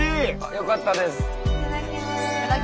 よかったです。